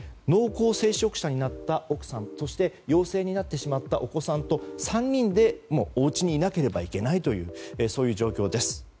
濃厚接触者になった奥さんそして陽性になってしまったお子さんと３人でおうちにいなければいけないという状況です。